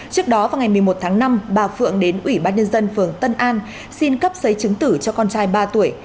trước đó vào ngày một mươi một tháng năm bà phượng đến ủy ban nhân dân phường tân an xin cấp giấy chứng tử cho con trai ba tuổi